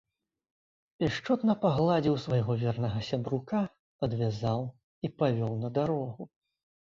Пяшчотна пагладзіў свайго вернага сябрука, адвязаў і павёў на дарогу.